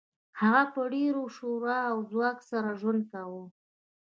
هغه په ډیر شور او ځواک سره ژوند کاوه